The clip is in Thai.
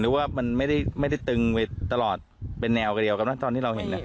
หรือว่ามันไม่ได้ไม่ได้ตึงไว้ตลอดเป็นแนวกันเดียวกับตอนที่เราเห็นเนี่ย